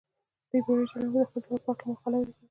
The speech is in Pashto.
دې بېړۍ چلوونکي د خپل سفر په هلکه مقاله ولیکله.